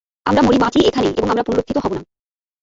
আমরা মরি-বাঁচি এখানেই এবং আমরা পুনরুত্থিত হব না।